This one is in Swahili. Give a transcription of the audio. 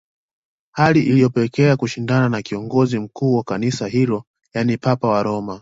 Hali iliyopelekea kushindana na kiongozi mkuu wa kanisa hilo yani papa wa Roma